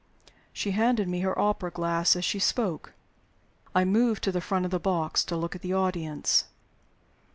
She handed me her opera glass as she spoke. I moved to the front of the box to look at the audience.